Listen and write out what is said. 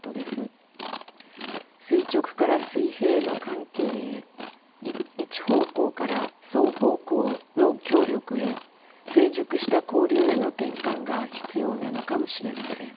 垂直から水平の関係へ一方向から双方向の協力へ成熟した交流への転換が必要なのかもしれません。